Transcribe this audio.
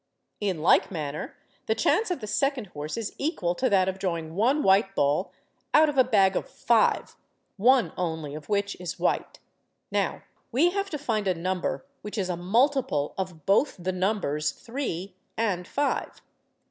In like manner, the chance of the second horse is equal to that of drawing one white ball out of a bag of five, one only of which is white. Now we have to find a number which is a multiple of both the numbers three and five.